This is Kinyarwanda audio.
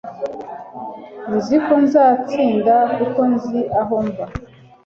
nzi ko nzatsinda kuko nzi aho mva